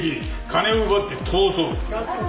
金を奪って逃走。